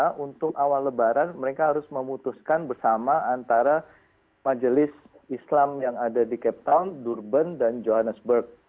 karena untuk awal lebaran mereka harus memutuskan bersama antara majelis islam yang ada di cape town durban dan johannesburg